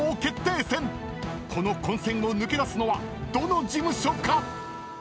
［この混戦を抜け出すのはどの事務所か⁉］